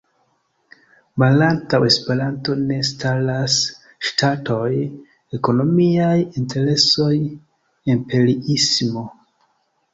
Malantaŭ Esperanto ne staras ŝtatoj, ekonomiaj interesoj, imperiismo.